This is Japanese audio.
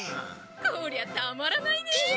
こりゃたまらないね。